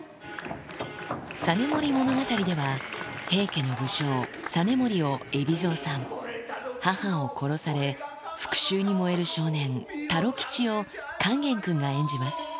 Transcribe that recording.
実盛物語では、平家の武将、実盛を海老蔵さん、母を殺され、復しゅうに燃える少年、太郎吉を勸玄君が演じます。